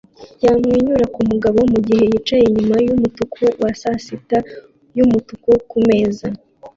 yamwenyura kumugabo mugihe yicaye inyuma yumutuku wa sasita yumutuku kumeza